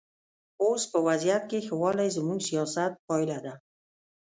اوس په وضعیت کې ښه والی زموږ سیاست پایله ده.